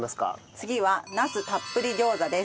次はナスたっぷり餃子です。